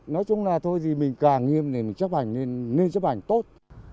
nói chung là thôi gì mình càng nghiêm thì mình chấp hành nên chấp hành tốt